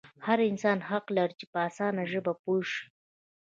هر انسان حق لري چې په اسانه ژبه پوه شي.